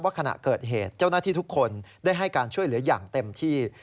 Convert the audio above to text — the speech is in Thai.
ชี้แจ้งออกมาว่าขณะเกิดเหตุเจ้านักที่ทุกคนได้ให้การช่วยเหลืออย่างเต็มที่